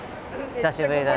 久しぶりだね。